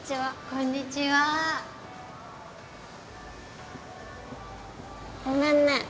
こんにちはごめんね